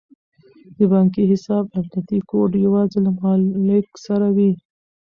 د بانکي حساب امنیتي کوډ یوازې له مالیک سره وي.